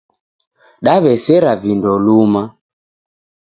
Daw'esera vindo luma